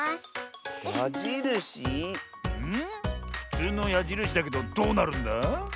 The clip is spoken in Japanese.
ふつうのやじるしだけどどうなるんだ？